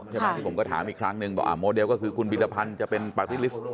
ที่ผมก็ถามอีกครั้งหนึ่งว่าโมเดลก็คือคุณบิตภัณฑ์จะเป็นปรากฏิฤทธิ์